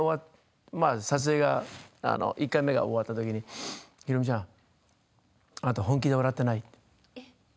撮影が１回目、終わったときにひろみちゃんあなた本気で笑ってないって。